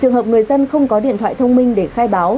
trường hợp người dân không có điện thoại thông minh để khai báo